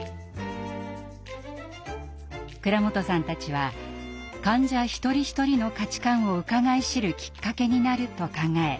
蔵本さんたちは患者一人一人の価値観をうかがい知るきっかけになると考え